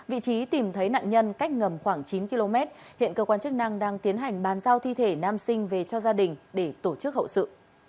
vị trí tìm thấy nạn nhân cách ngầm khoảng chín km hiện cơ quan chức năng đang tiến hành bàn giao thi thể nam sinh về cho gia đình để tổ chức hậu sự